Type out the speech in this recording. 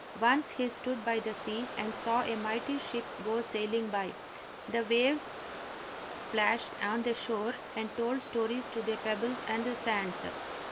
Once he stood by the sea and saw a mighty ship go sailing by. The waves plashed on the shore and told stories to the pebbles and the sands.